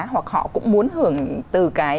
hoặc họ cũng muốn hưởng từ